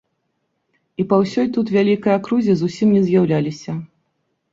І па ўсёй тут вялікай акрузе зусім не з'яўляліся.